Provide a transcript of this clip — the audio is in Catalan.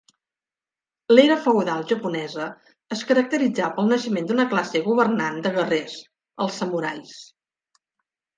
L'era feudal japonesa es caracteritzà pel naixement d'una classe governant de guerrers, els samurais.